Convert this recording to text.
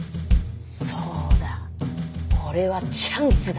「そうだこれはチャンスだ！」